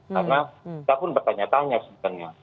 karena kita pun bertanya tanya sebenarnya